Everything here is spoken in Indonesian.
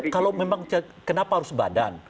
kalau memang kenapa harus badan